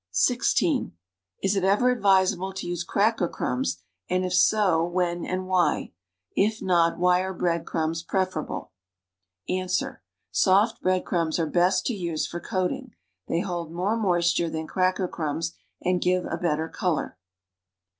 (16) Is it ever advisable to use cracker crumbs, and if so, when and why.' If not, why are bread crumbs preferable? Ans. Soft bread crumbs are best to use for coating. They hold more moisture than cracker criunbs and give a better color.